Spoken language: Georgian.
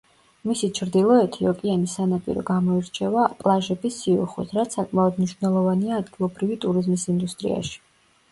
მისი ჩრდილოეთი, ოკეანის სანაპირო გამოირჩევა პლაჟების სიუხვით, რაც საკმაოდ მნიშვნელოვანია ადგილობრივი ტურიზმის ინდუსტრიაში.